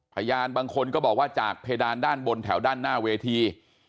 พยานบางคนก็บอกว่าจากเพดานด้านบนแถวด้านหน้าเวที